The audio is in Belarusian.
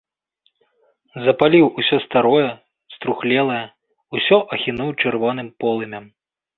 Запаліў усё старое, струхлелае, усё ахінуў чырвоным полымем.